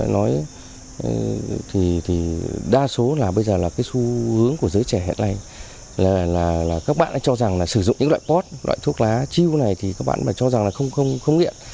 nói thì đa số là bây giờ là cái xu hướng của giới trẻ hiện nay là các bạn đã cho rằng là sử dụng những loại pot loại thuốc lá chiu này thì các bạn cho rằng là không nghiện